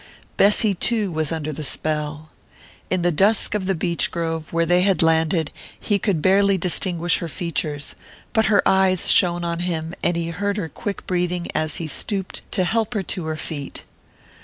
Bessy too was under the spell. In the dusk of the beech grove where they had landed, he could barely distinguish her features; but her eyes shone on him, and he heard her quick breathing as he stooped to help her to her feet.